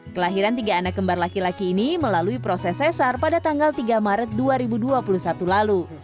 kelahiran tiga anak kembar laki laki ini melalui proses sesar pada tanggal tiga maret dua ribu dua puluh satu lalu